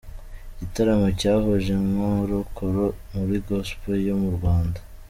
Igitaramo cyahuje inkorokoro muri Gospel yo mu Rwanda.